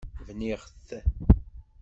Bniɣ-t.